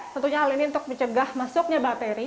tentunya hal ini untuk mencegah masuknya bakteri